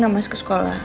namanya ke sekolah